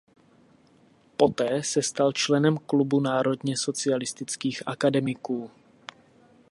Poté se stal členem Klubu národně socialistických akademiků.